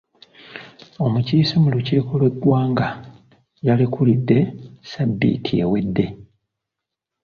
Omukiise mu lukiiko lw'eggwanga yalekulidde sabbiiti ewedde.